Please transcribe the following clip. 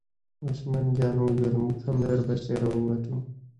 عثمان جان وویل: موږ هم در پسې را ووتو.